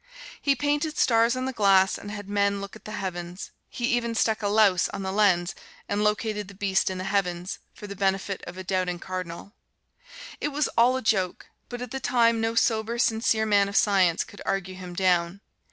He painted stars on the glass, and had men look at the heavens. He even stuck a louse on the lens and located the beast in the heavens, for the benefit of a doubting Cardinal. It was all a joke, but at the time no sober, sincere man of Science could argue him down.